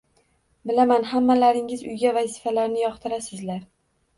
Bilaman, hammalaringiz uyga vazifalarni yoqtirasizlar.